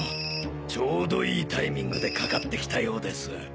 ちょうどいいタイミングでかかってきたようです。